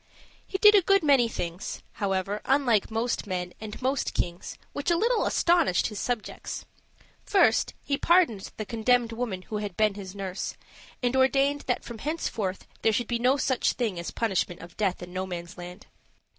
He did a good many things, however, unlike most men and most kings, which a little astonished his subjects. First, he pardoned the condemned woman who had been his nurse, and ordained that from henceforth there should be no such thing as the punishment of death in Nomansland.